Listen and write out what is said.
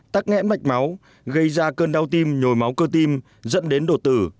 tắc nghẽn mạch máu gây ra cơn đau tim nhồi máu cơ tim dẫn đến đột tử